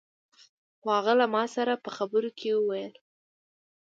خو هغه له ما سره په خبرو کې وويل.